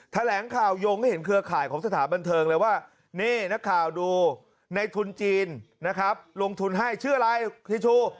แถลงข่าวยงให้เห็นเครือข่ายของสถานบันเทิงเลยว่านี่นักข่าวดูในทุนจีนนะครับลงทุนให้ชื่ออะไรฮิชู